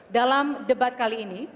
dalam debat kali ini